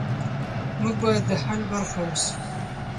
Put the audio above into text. موږ باید د حل برخه اوسو.